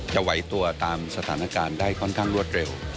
ไหวตัวตามสถานการณ์ได้ค่อนข้างรวดเร็ว